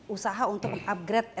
usaha untuk upgrade